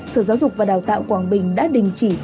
sở giáo dục và đào tạo quảng bình đã đình chỉ